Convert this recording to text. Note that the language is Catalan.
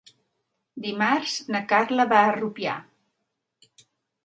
Dimarts na Carla va a Rupià.